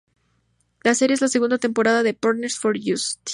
La serie es la segunda temporada de "Partners for Justice".